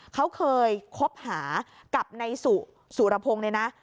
เขาเคยคบหากับนายสุรพงศ์